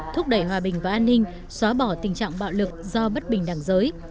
thúc đẩy hòa bình và an ninh xóa bỏ tình trạng bạo lực do bất bình đẳng giới